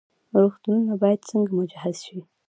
روغتونونه باید څنګه مجهز شي؟